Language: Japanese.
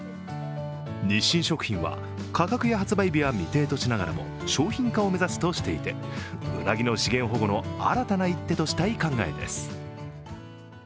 日清食品は価格や発売日は未定としながらも商品化を目指すとしていてうなぎの資源保護の新たな一手としたい考えです。